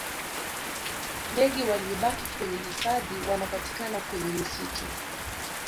Tdege waliyobaki kwenye hifadhi wanapatikana kwenye misitu